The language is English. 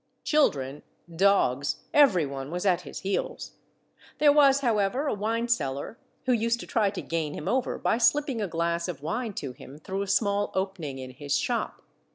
Children, dogs, every one was at his heels ; there was, however, a wine seller who used to try to gain him over by slipping a glass of wine to him through a small opening in his shop.